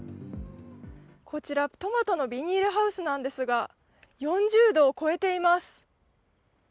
こちら、トマトのビニールハウスなんですが、４０度を超えています。